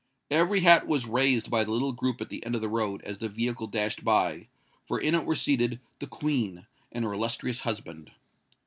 Every hat was raised by the little group at the end of the road, as the vehicle dashed by—for in it were seated the Queen and her illustrious husband.